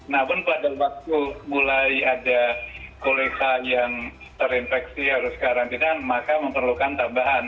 namun pada waktu mulai ada koleha yang terinfeksi harus karantina maka memerlukan tambahan